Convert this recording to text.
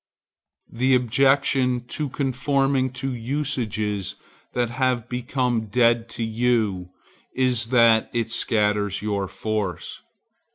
The objection to conforming to usages that have become dead to you is that it scatters your force.